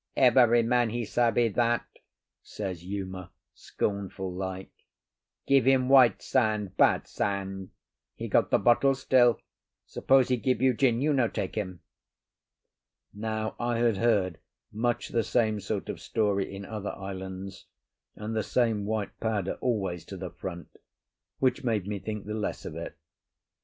"Every man he savvy that," says Uma, scornful like. "Give him white sand—bad sand. He got the bottle still. Suppose he give you gin, you no take him." Now I had heard much the same sort of story in other islands, and the same white powder always to the front, which made me think the less of it.